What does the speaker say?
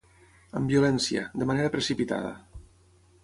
Amb violència, de manera precipitada.